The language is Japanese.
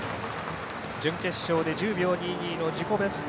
準決勝で１０秒２２の自己ベスト。